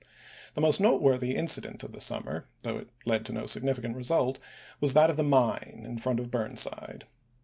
The most noteworthy incident of the summer — though it led to no significant result — was that of the mine in front of Burnside.